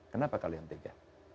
kenapa kalian tega